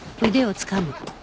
あっ！